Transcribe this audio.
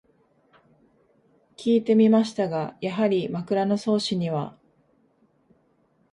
きいてみましたが、やはり「枕草子」には